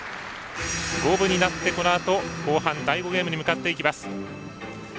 五分になって、このあと後半第５ゲームに向かっていきます。